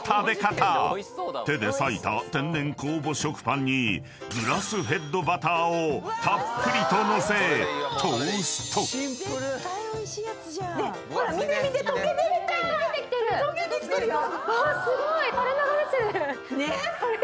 ［手でさいた天然酵母食パンにグラスフェッドバターをたっぷりと載せトースト］溶けてきてるよ！